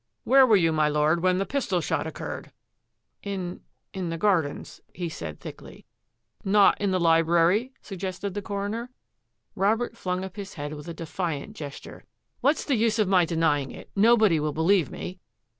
" Where were you, my Lord, when the pistol shot occurred?" " In — in the gardens," he said thickly. " Not in the library? " suggested the coroner. Robert flung up his head with a defiant gesture. " What's the use of my denying it? Nobody will believe me."